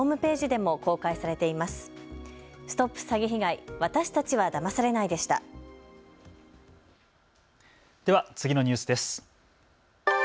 では次のニュースです。